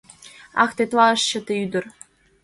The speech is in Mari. Ах, тетла ыш чыте ӱдыр